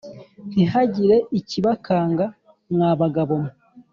Ntihagire ikibakanga mwabagabo mwe